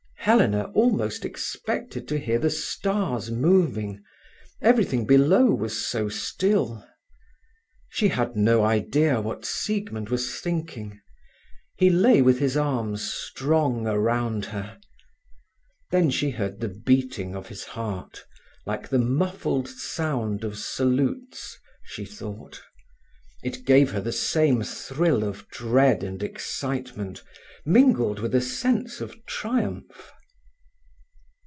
Helena almost expected to hear the stars moving, everything below was so still. She had no idea what Siegmund was thinking. He lay with his arms strong around her. Then she heard the beating of his heart, like the muffled sound of salutes, she thought. It gave her the same thrill of dread and excitement, mingled with a sense of triumph.